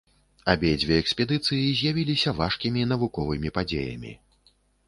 Абедзве экспедыцыі з'явіліся важкімі навуковымі падзеямі.